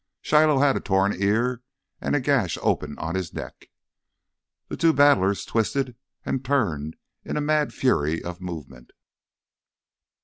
Shiloh had a torn ear and a gash open on his neck. The two battlers twisted and turned in a mad fury of movement.